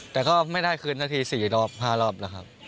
แต่ก็ไม่ได้คืนสักที๔รอบ๕รอบแล้วครับ